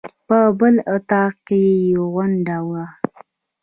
په بل اطاق کې یې غونډه وه.